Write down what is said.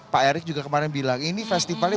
pak erick juga kemarin bilang ini festivalnya